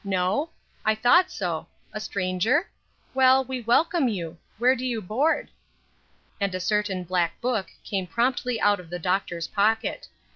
No? I thought so; a stranger? Well, we welcome you. Where do you board?" And a certain black book came promptly out of the doctor's pocket.